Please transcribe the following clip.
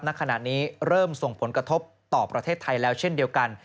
ณขณะนี้เริ่มส่งผลกระทบต่อประเทศไทยแล้วเช่นเดียวกัน